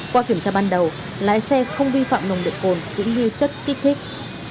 qua kiểm tra ban đầu lái xe không vi phạm nồng độ cồn cũng như chất kích thích